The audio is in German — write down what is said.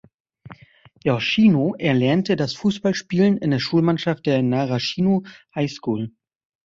Yoshino erlernte das Fußballspielen in der Schulmannschaft der "Narashino High School".